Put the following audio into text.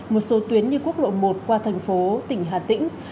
một số tuyến như quốc lộ một qua thành phố tỉnh hà tĩnh